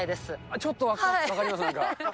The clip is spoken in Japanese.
ちょっと分かります、なんか。